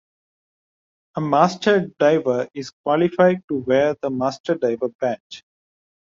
A master diver is qualified to wear the master diver badge.